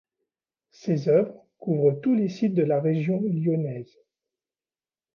Ses œuvres couvrent tous les sites de la région lyonnaise.